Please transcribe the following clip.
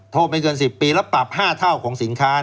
ไม่เกิน๑๐ปีแล้วปรับ๕เท่าของสินค้า